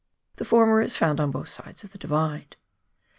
The former is found on both sides of the Divide.